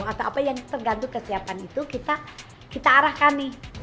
atau apa yang tergantung kesiapan itu kita arahkan nih